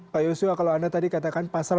pak yusuf kalau anda tadi katakan pasar